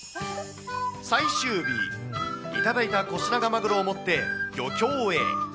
最終日、頂いたコシナガマグロを持って、漁協へ。